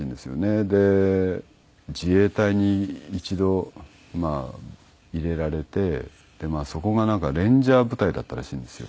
で自衛隊に一度まあ入れられてまあそこがレンジャー部隊だったらしいんですよ。